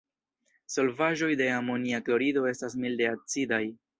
Solvaĵoj de amonia klorido estas milde acidaj.